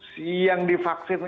si yang divaksin